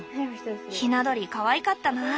ひな鳥かわいかったな。